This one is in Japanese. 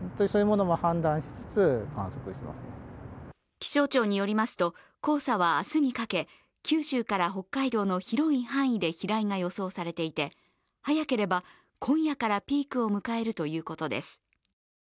気象庁によりますと、黄砂は明日にかけ九州から北海道の広い範囲で飛来が予想されていて早ければ今夜からピークを迎えるということです。